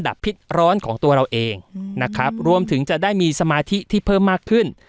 พิษร้อนของตัวเราเองนะครับรวมถึงจะได้มีสมาธิที่เพิ่มมากขึ้น